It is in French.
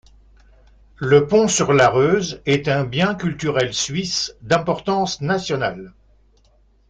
Le pont sur l'Areuse est un bien culturel suisse d'importance nationale.